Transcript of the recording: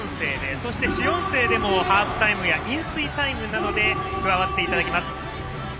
そして主音声でもハーフタイムや飲水タイムなどで加わっていただきます。